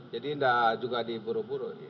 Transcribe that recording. jadi tidak juga diburu buru